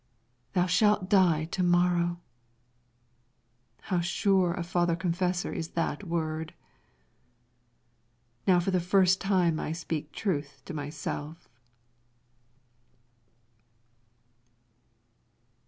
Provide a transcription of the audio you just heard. "Thou shalt die to morrow!" How sure a father confessor is that word! Now for the first time I speak truth to myself.